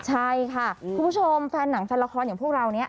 ใช่ค่ะคุณผู้ชมแฟนหนังแฟนละครอย่างพวกเราเนี่ย